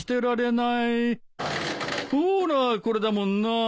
・ほらこれだもんな。